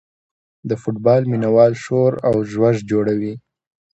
د فوټبال مینه وال شور او ځوږ جوړوي.